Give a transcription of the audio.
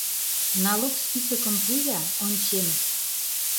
«Налог списокым» пу-я, ончем.